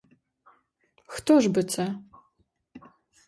Хто ж би це?